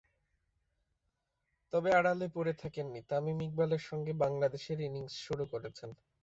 তবে আড়ালে পড়ে থাকেননি, তামিম ইকবালের সঙ্গে বাংলাদেশের ইনিংস শুরু করেছেন।